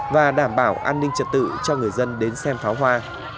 và đảm bảo an ninh trật tự cho người dân đến xem pháo hoa